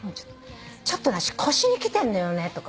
ちょっと腰にきてんだよねとか。